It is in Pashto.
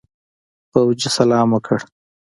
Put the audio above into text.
فوجي سلام وکړ.